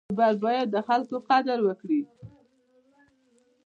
یوټوبر باید د خلکو قدر وکړي.